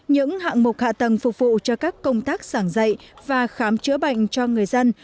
những hạng mục hạ tầng phục vụ cho các công tác sảng dạy và khám chữa bệnh cho người dân